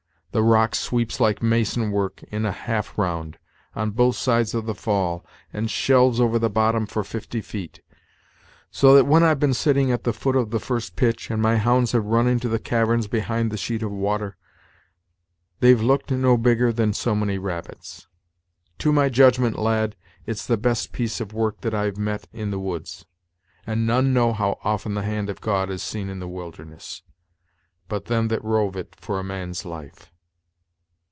The rock sweeps like mason work, in a half round, on both sides of the fall, and shelves over the bottom for fifty feet; so that when I've been sitting at the foot of the first pitch, and my hounds have run into the caverns behind the sheet of water, they've looked no bigger than so many rabbits. To my judgment, lad, it's the best piece of work that I've met with in the woods; and none know how often the hand of God is seen in the wilderness, but them that rove it for a man's life."